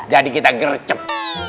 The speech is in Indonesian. jadi kita gercep